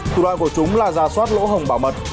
thủ đoạn của chúng là giả soát lỗ hồng bảo mật